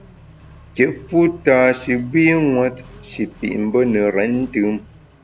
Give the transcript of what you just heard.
Kit fu tâ shi gbînwet, shi pit mbe ne renntùm.